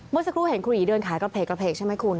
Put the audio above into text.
เมื่อสักครู่เห็นครูหลีเดินขากระเพกกระเพกใช่ไหมคุณ